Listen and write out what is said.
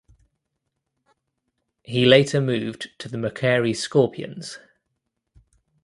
He later moved to the Macquarie Scorpions.